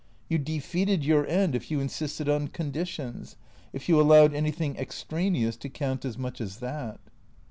You defeated your end if you insisted on conditions, if you allowed anything extraneous to count as much as that.